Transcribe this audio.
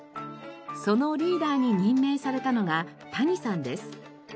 そのリーダーに任命されたのが谷さんです。